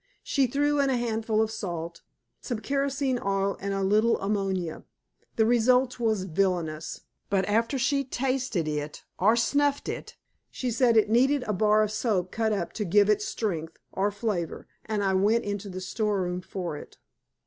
She threw in a handful of salt, some kerosene oil and a little ammonia. The result was villainous, but after she tasted it or snuffed it she said it needed a bar of soap cut up to give it strength or flavor and I went into the store room for it.